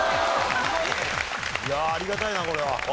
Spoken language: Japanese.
いやありがたいなこれは。